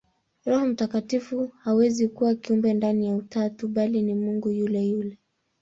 Roho Mtakatifu hawezi kuwa kiumbe ndani ya Utatu, bali ni Mungu yule yule.